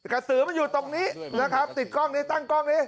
กระสือมันอยู่ตรงนี้นะครับติดกล้องนี้ตั้งกล้องนี้